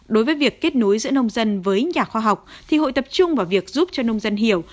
đối với việc kết nối giữa nông dân với nhà khoa học thì hội tập trung vào việc giúp cho nông dân hiểu